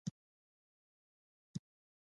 مور يعنې د کور ښکلا او اولاد ته د زړه سکون.